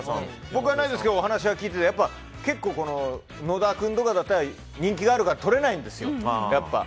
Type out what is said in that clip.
僕はないですけどお話は聞いていて野田君とかだったら人気があるから予約がとれないんですよ